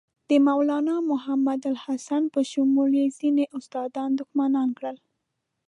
د مولنا محمودالحسن په شمول یې ځینې استادان دښمنان کړل.